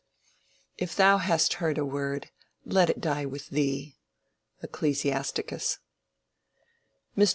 "If thou hast heard a word, let it die with thee." —Ecclesiasticus. Mr.